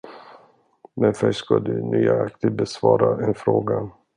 Men först ska du nöjaktigt besvara en fråga.